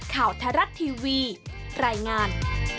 ข่าวทรัศน์ทีวีรายงาน